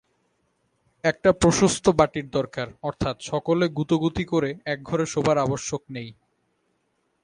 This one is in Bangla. একটা প্রশস্ত বাটীর দরকার, অর্থাৎ সকলে গুঁতোগুঁতি করে একঘরে শোবার আবশ্যক নাই।